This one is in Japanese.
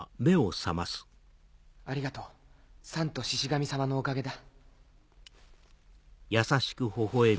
ありがとうサンとシシ神様のおかげだ。